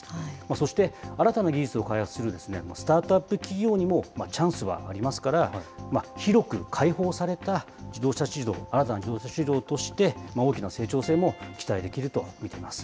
そして新たな技術を開発するスタートアップ企業にもチャンスはありますから、広く開放された自動車市場、新たな自動車市場として、大きな成長性も期待できると見ています。